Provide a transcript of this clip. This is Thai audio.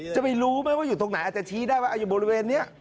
จะไปรู้ไหมว่าอยู่ตรงไหนอาจจะชี้ได้ว่าอยู่บริเวณนี้